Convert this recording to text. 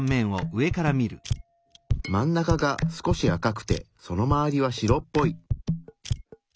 真ん中が少し赤くてその周りは白っぽい。